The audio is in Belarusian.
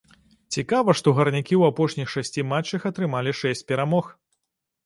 Цікава, што гарнякі ў апошніх шасці матчах атрымалі шэсць перамог!